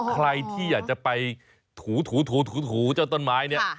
ใครที่อยากจะไปถูต้นไม้นี่